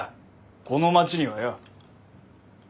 この町にはよ。